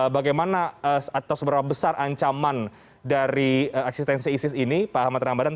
bagaimana atau seberapa besar ancaman dari eksistensi isis ini pak ahmad ramadhan